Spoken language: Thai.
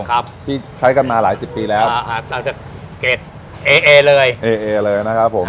ครับที่ใช้กันมาหลายสิบปีแล้วอ่าครับเอเอเลยเอเอเลยนะครับผม